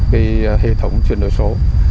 vì hệ thống chuyển đổi số